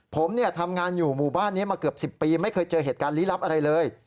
ผมทำงานอยู่หมู่บ้านนี้มาเกือบ๑๐ปีไม่เคยเจอเหตุการณ์ลี้ลับอะไรเลย